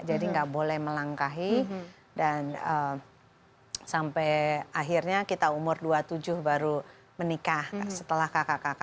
jadi gak boleh melangkahi dan sampai akhirnya kita umur dua puluh tujuh baru menikah setelah kakak kakak saya menikah